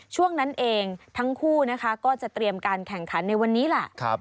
ช่วงนั้นเองทั้งคู่นะคะก็จะเตรียมการแข่งขันในวันนี้แหละ